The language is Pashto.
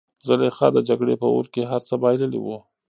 زلیخا د جګړې په اور کې هر څه بایللي وو.